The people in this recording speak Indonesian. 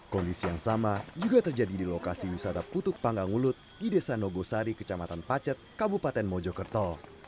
kondisi yang sama juga terjadi di lokasi wisatap kutuk panggangulut di desa nogosari kecamatan pacet kabupaten mojokerto